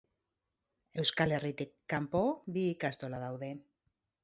Euskal Herritik kanpo bi ikastola daude.